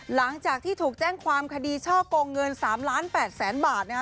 หลังจากที่ถูกแจ้งความคดีเชาะโกงเงิน๓๘๐๐๐๐๐บาทนะฮะ